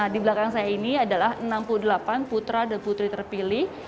di belakang saya ini adalah enam puluh delapan putra dan putri terpilih